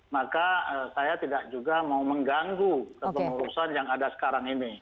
maka saya tidak juga mau mengganggu kepengurusan yang ada sekarang ini